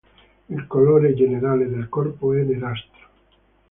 Il colore generale del corpo è nerastro.